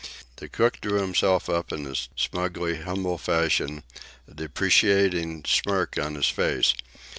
The cook drew himself up in a smugly humble fashion, a deprecating smirk on his face.